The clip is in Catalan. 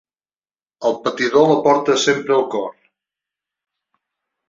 El patidor la porta sempre al cor.